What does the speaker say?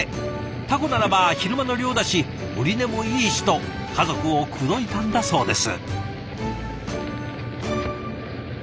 「タコならば昼間の漁だし売値もいいし」と家族を口説いたんだそうです。